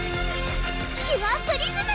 キュアプリズム！